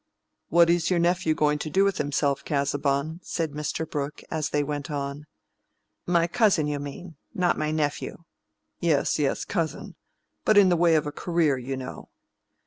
"What is your nephew going to do with himself, Casaubon?" said Mr. Brooke, as they went on. "My cousin, you mean—not my nephew." "Yes, yes, cousin. But in the way of a career, you know."